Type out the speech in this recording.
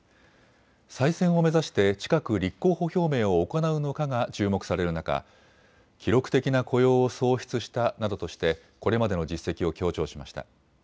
再選を目指して近く立候補表明を行うのかが注目される中、記録的な雇用を創出したなどとしてこれまでの実績を強調しました。